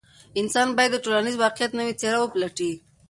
انسان باید د ټولنیز واقعیت نوې څېره وپلټي.